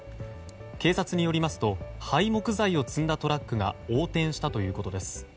警察によりますと廃木材を積んだトラックが横転したということです。